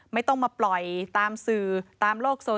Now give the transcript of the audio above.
ไม่ต้องมาปล่อยตามสื่อตามโลกโซ